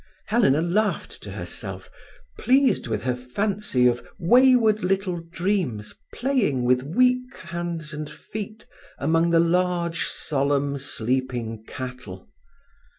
Helena laughed to herself, pleased with her fancy of wayward little dreams playing with weak hands and feet among the large, solemn sleeping cattle.